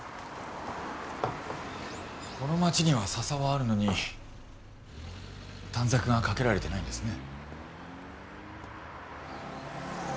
この町にはササはあるのに短冊がかけられてないんですね。